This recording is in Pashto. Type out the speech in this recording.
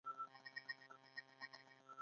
د علامه رشاد لیکنی هنر مهم دی ځکه چې راټولوي.